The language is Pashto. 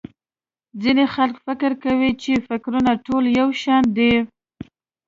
ځينې خلک فکر کوي چې٫ فکرونه ټول يو شان دي.